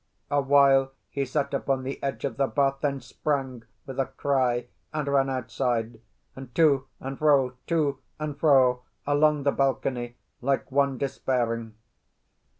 Awhile he sat upon the edge of the bath; then sprang, with a cry, and ran outside; and to and fro, to and fro, along the balcony, like one despairing.